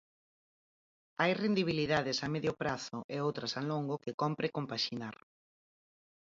Hai rendibilidades a medio prazo e outras a longo que cómpre compaxinar.